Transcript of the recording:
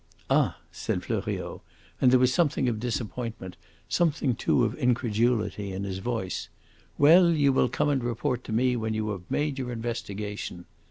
"Ah!" said Fleuriot; and there was something of disappointment, something, too, of incredulity, in his voice. "Well, you will come and report to me when you have made your investigation."